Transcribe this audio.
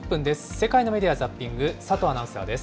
世界のメディア・ザッピング、佐藤アナウンサーです。